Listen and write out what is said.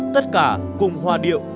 tất cả cùng hòa điệu